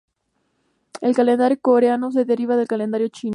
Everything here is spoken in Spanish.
El calendario coreano se deriva del calendario chino.